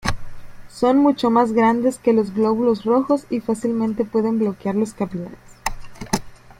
Son mucho más grandes que los glóbulos rojos y fácilmente pueden bloquear los capilares.